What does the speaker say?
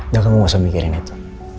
yang kamu gak usah mikirin itu